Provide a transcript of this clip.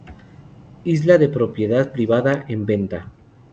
Isla de propiedad privada en venta.